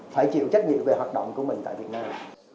phải chịu trách nhiệm về hoạt động của mình tại việt nam